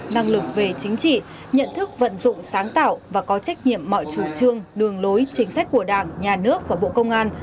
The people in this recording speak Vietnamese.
năng lực về chính trị nhận thức vận dụng sáng tạo và có trách nhiệm mọi chủ trương đường lối chính sách của đảng nhà nước và bộ công an